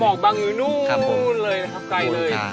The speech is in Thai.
อ๋อบอกบางอยู่นู้นเลยนะครับไกลเลย